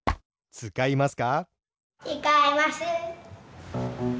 つかいます。